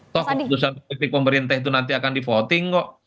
toh keputusan politik pemerintah itu nanti akan di voting kok